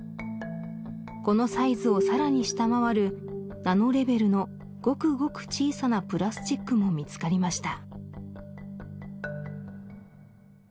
このサイズをさらに下回るナノレベルのごくごく小さなプラスチックも見つかりました